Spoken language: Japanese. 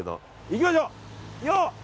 いきましょう！